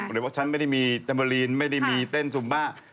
แปลว่าฉันไม่ได้มีเทมโปรเลน์ไม่ได้มีเต้นซุมป้า